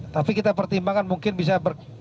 tapi kita pertimbangkan mungkin bisa